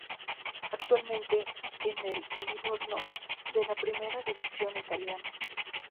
Actualmente en el Livorno de la primera división italiana.